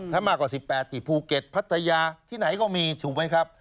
ถ้ามากกว่า๑๘ที่ภูเก็ตพัทยาที่ไหนก็มีถูกไหมครับ